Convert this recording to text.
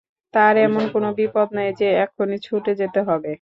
তাঁর এমন কোনো বিপদ নেই যে, এক্ষুণি ছুটে যেতে হবে।